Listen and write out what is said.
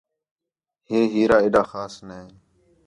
ہے ہیرا ایݙا خاص نے